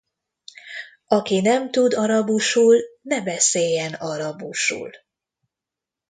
Aki nem tud arabusul, ne beszéljen arabusul.